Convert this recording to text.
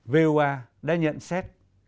voa đã nhận xét